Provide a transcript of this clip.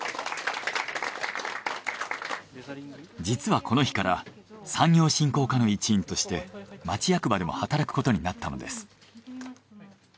実はこの日から産業振興課の一員として町役場でも働くことになったのです。